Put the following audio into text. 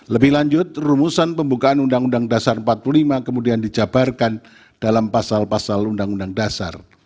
lebih lanjut rumusan pembukaan undang undang dasar empat puluh lima kemudian dijabarkan dalam pasal pasal undang undang dasar